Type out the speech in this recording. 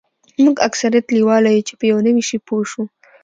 موږ اکثریت لیواله یوو چې په یو نوي شي پوه شو